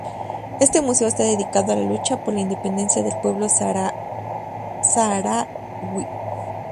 Este museo está dedicado a la lucha por la independencia del pueblo saharaui.